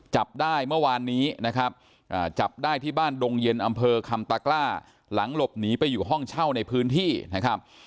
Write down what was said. จับได้เมื่อวานนี้นะครับจับได้ที่บ้านดงเย็นอำเภอคำตากล้าหลังหลบหนีไปอยู่ห้องเช่าในพื้นที่นะครับ